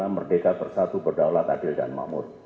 merdeka bersatu berdaulat adil dan makmur